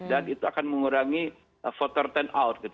dan itu akan mengurangi voter turnout